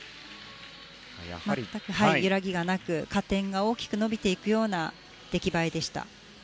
全く揺らぎがなく加点が大きく伸びていくような出来栄えでした。